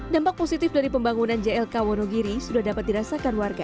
dampak positif dari pembangunan jlk wonogiri sudah dapat dirasakan warga